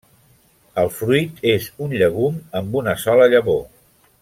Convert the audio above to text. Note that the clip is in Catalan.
El fruit és un llegum amb una sola llavor.